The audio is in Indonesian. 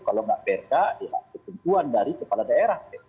kalau tidak beda ketentuan dari kepala daerah